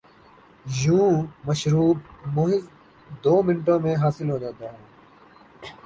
یوں مشروب محض دومنٹوں میں حاصل ہوجاتا ہے۔